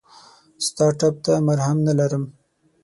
ستا ټپ ته مرهم نه لرم !